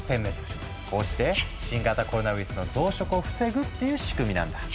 こうして新型コロナウイルスの増殖を防ぐっていう仕組みなんだ。